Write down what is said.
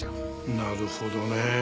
なるほどね。